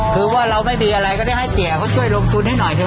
คือว่าเราไม่มีอะไรก็ได้ให้เตี๋ยเขาช่วยลงทุนให้หน่อยเถ